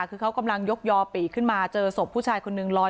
คือเขากำลังยกยอปีกขึ้นมาเจอศพผู้ชายคนนึงลอย